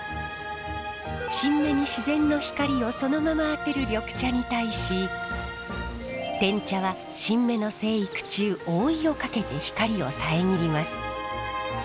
新芽に自然の光をそのまま当てる緑茶に対してん茶は新芽の生育中覆いをかけて光を遮ります。